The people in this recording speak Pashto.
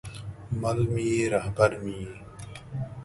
مل مې یې، رهبر مې یې